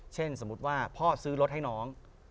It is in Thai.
สมมุติว่าพ่อซื้อรถให้น้อง